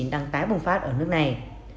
đang tái bùng phát ở nước này